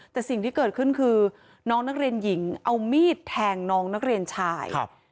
แต่สิ่งที่เกิดขึ้นคือน้องนักเรียนหญิงเอามีดแทงน้องนักเรียนชาย